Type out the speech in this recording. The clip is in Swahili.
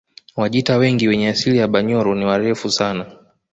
Wajita wengi wenye asili ya Banyoro ni warefu sana